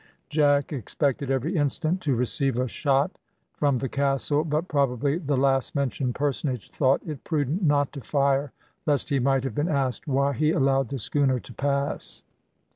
Jack expected every instant to receive a shot from the castle, but probably the last mentioned personage thought it prudent not to fire, lest he might have been asked why he allowed the schooner to pass.